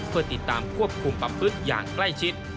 เพื่อติดตามควบคุมประพฤติอย่างใกล้ชิด